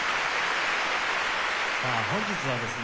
さあ本日はですね